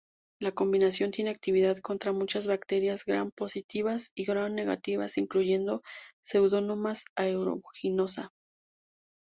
La combinación tiene actividad contra muchas bacterias Gram-positivas y Gram-negativas incluyendo "Pseudomonas aeruginosa".